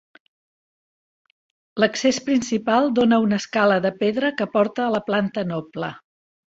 L'accés principal dóna a una escala de pedra que porta a la planta noble.